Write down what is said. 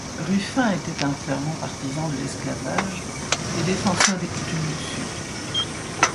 Ruffin était un fervent partisan de l'esclavage et défenseur des coutumes du Sud.